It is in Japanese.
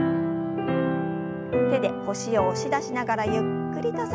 手で腰を押し出しながらゆっくりと反らせます。